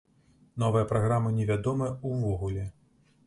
Новая праграма невядомая ўвогуле.